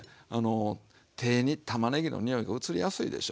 手にたまねぎのにおいがうつりやすいでしょ。